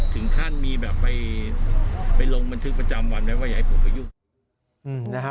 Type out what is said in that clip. ถึงขั้นมีแบบไปลงบันทึกประจำวันไว้ว่าอย่าให้ผมไปยุ่งนะฮะ